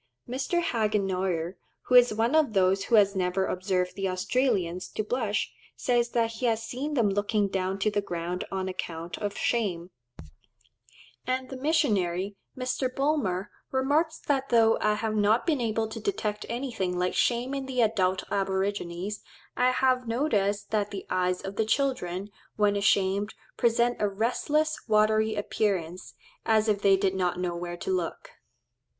Mr. Hagenauer, who is one of those who has never observed the Australians to blush, says that he has "seen them looking down to the ground on account of shame;" and the missionary, Mr. Bulmer, remarks that though "I have not been able to detect anything like shame in the adult aborigines, I have noticed that the eyes of the children, when ashamed, present a restless, watery appearance, as if they did not know where to look."